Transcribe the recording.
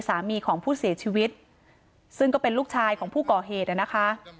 สามีของผู้เสียชีวิตซึ่งก็เป็นลูกชายของผู้ก่อเหตุนะคะ